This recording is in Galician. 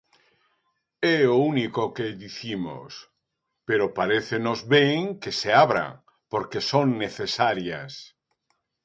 É o único que dicimos, pero parécenos ben que se abran, porque son necesarias.